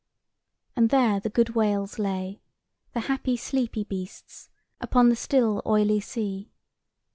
And there the good whales lay, the happy sleepy beasts, upon the still oily sea.